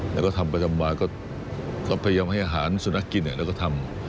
แล้วก็ทำประจำมาก็พยายามให้อาหารสุนัขกินแล้วก็ทำ